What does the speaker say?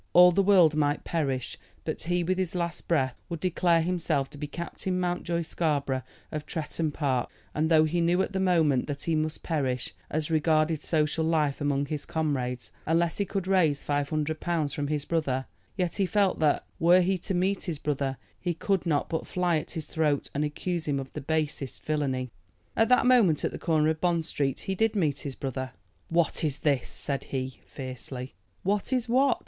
All the world might perish, but he, with his last breath, would declare himself to be Captain Mountjoy Scarborough, of Tretton Park; and though he knew at the moment that he must perish, as regarded social life among his comrades, unless he could raise five hundred pounds from his brother, yet he felt that, were he to meet his brother, he could not but fly at his throat and accuse him of the basest villany. At that moment, at the corner of Bond Street, he did meet his brother. "What is this?" said he, fiercely. "What is what?"